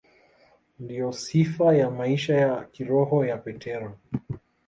Ndiyo sifa ya maisha ya kiroho ya Petro.